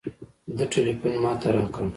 ده ټېلفون ما ته راکړ.